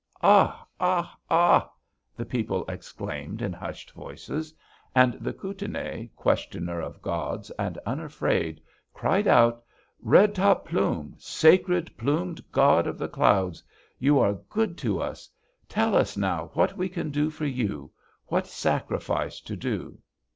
"'Ah! Ah! Ah!' the people exclaimed in hushed voices. And the Kootenai, questioner of gods and unafraid, cried out: 'Red Top Plume! Sacred plumed god of the clouds! You are good to us. Tell us, now, what we can do for you what sacrifice to do?'